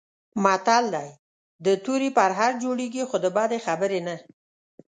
متل دی: د تورې پرهر جوړېږي، خو د بدې خبرې نه.